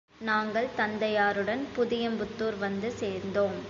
நாங்கள் தந்தையாருடன், புதியம்புத்துார் வந்து சேர்ந்தோம்.